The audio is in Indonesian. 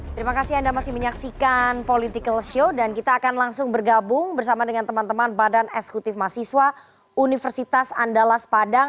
terima kasih anda masih menyaksikan political show dan kita akan langsung bergabung bersama dengan teman teman badan eksekutif mahasiswa universitas andalas padang